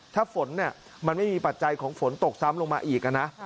ถ้าฝนเนี่ยมันไม่มีปัจจัยของฝนตกซ้ำลงมาอีกนะ